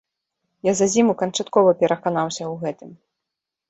Я за зіму канчаткова пераканаўся ў гэтым.